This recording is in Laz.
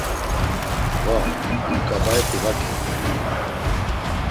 Var, him ǩabaet̆i va giğun.